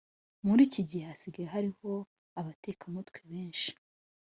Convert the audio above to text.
Murikigihe hasigaye hariho abateka mutwe benshi